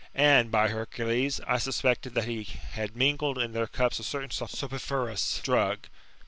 And, by Hercules, I suspected that he had mingled in their cups, a certain soporiferous drug.